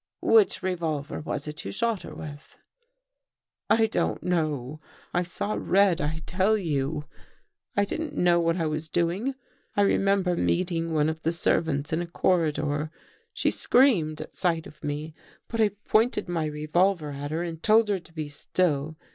" Which revolver was it you shot her with? "" I don't know. I saw red, I tell you. I didn't know what I was doing. I remember meeting one of the servants ip a corridor. She screamed at sight of me, but I pointed my revolver at her and told her to be still.